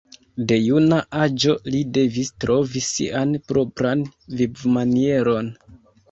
De juna aĝo li devis trovi sian propran vivmanieron.